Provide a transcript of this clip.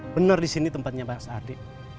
bener disini tempatnya mas ardi